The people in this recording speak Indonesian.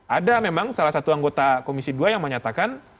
ada memang salah satu anggota komisi dua yang menyatakan